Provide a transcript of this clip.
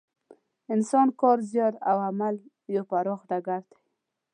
انسان کار، زیار او عمل یو پراخ ډګر دی.